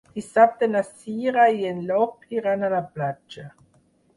Dissabte na Cira i en Llop iran a la platja.